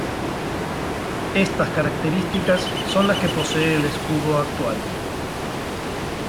Estas características son las que posee el escudo actual.